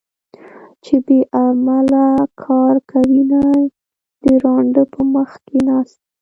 چې بې علمه کار کوينه - د ړانده په مخ کې ناڅي